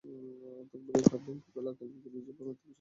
তরবারির খাপ ভেঙ্গে ফেলাকে বিজয় বা মৃত্যুর ঘোষণা বলে মনে করা হত।